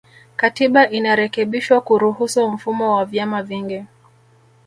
Katiba inarekebishwa kuruhusu mfumo wa vyama vingi